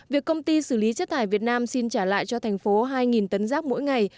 việc công ty xử lý chất thải việt nam xin trả lại cho thành phố hai tấn rác mỗi ngày